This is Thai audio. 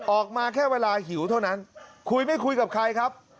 ออกมาแค่เวลาหิวเท่านั้นคุยไม่คุยกับใครครับ